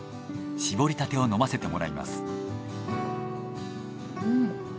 搾りたてを飲ませてもらいます。